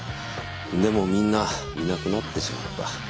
でもみんないなくなってしまった。